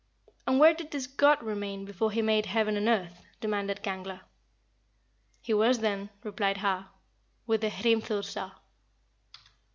"And where did this god remain before he made heaven and earth?" demanded Gangler. "He was then," replied Har, "with the Hrimthursar."